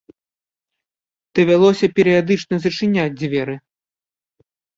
Давялося перыядычна зачыняць дзверы.